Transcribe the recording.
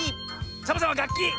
サボさんはがっき！